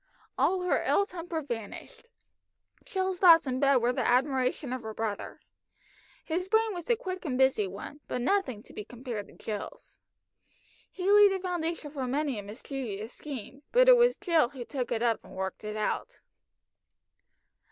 All her ill temper vanished. Jill's thoughts in bed were the admiration of her brother. His brain was a quick and busy one, but nothing to be compared to Jill's. He laid the foundation for many a mischievous scheme, but it was Jill who took it up and worked it out.